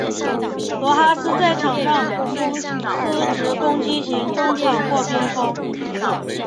罗哈斯在场上司职攻击型中场或边锋。